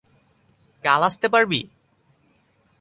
কাল আসতে পারবি?